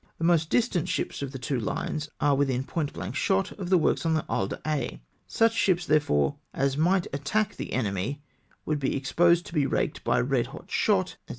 The most distant ships of their two lines are within point blank shot of the works on the Isle d'Aix ; such ships, therefore, as might attack the enemy ivoidd he exposed to be raked by red hot shot, &c.